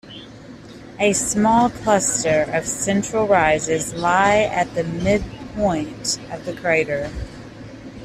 A small cluster of central rises lie at the midpoint of the crater.